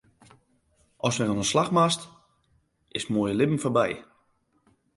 Ast wer oan 'e slach moatst, is it moaie libben foarby.